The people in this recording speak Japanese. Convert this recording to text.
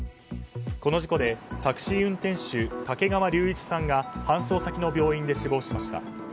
この事故でタクシー運転手竹川龍一さんが搬送先の病院で死亡しました。